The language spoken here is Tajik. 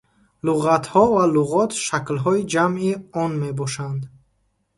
Луғатҳо ва луғот шаклҳои ҷамъи он мебошанд.